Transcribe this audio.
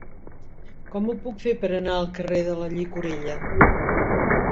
Com ho puc fer per anar al carrer de la Llicorella?